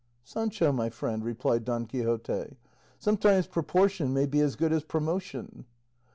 "Sancho, my friend," replied Don Quixote, "sometimes proportion may be as good as promotion."